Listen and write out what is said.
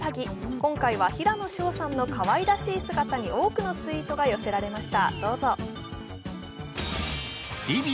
今回は平野紫耀さんのかわいらしい姿に多くのツイートが寄せられました。